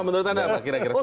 menurut anda apa